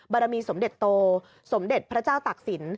บารมีสมเด็จโตสมเด็จพระเจ้าตักศิลป